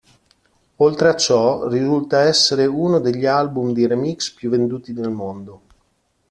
Oltre a ciò, risulta essere uno degli album di remix più venduti nel mondo.